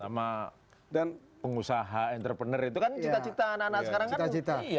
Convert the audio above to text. sama pengusaha entrepreneur itu kan cita cita anak anak sekarang kan